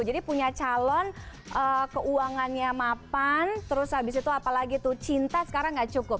jadi punya calon keuangannya mapan terus abis itu apalagi tuh cinta sekarang gak cukup